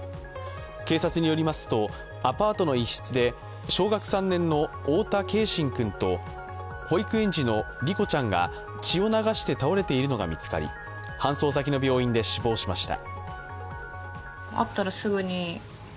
警察によりますとアパートの一室で、小学３年の太田継真君と保育園児の梨心ちゃんが血を流して倒れているのが見つかり搬送先の病院で死亡しました。